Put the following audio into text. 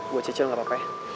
gue cicil gak apa apa ya